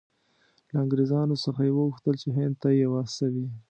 له انګریزانو څخه یې وغوښتل چې هند ته یې واستوي.